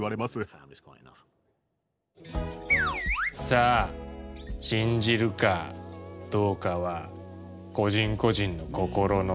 さあ信じるかどうかは個人個人の心の持ちようだ。